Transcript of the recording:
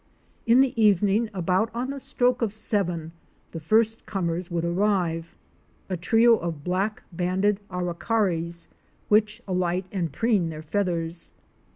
In the evening, about on the stroke of seven, the first comers would arrive —a trio of Black banded Aracaris * which alight and preen their feathers.